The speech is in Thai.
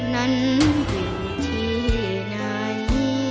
นั้นอยู่ที่ไหน